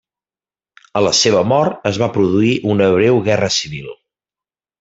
A la seva mort es va produir una breu guerra civil.